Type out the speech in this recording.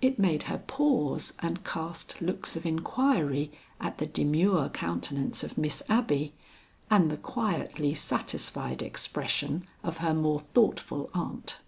It made her pause, and cast looks of inquiry at the demure countenance of Miss Abby, and the quietly satisfied expression of her more thoughtful aunt.